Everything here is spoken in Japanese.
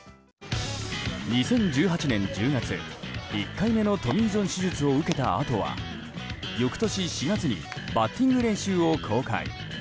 ２０１８年１０月１回目のトミー・ジョン手術を受けたあとは翌年４月にバッティング練習を公開。